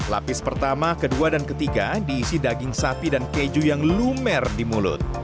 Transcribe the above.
lapis pertama kedua dan ketiga diisi daging sapi dan keju yang lumer di mulut